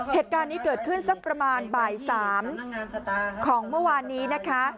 เหตุการณ์นี้เกิดขึ้นสักประมาณบ่าย๓ของเมื่อวานนี้นะคะ